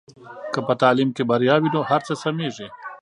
که په تعلیم کې بریا وي نو هر څه سمېږي.